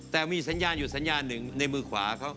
แต่มีสัญญาณอยู่สัญญาณหนึ่งในมือขวาเขา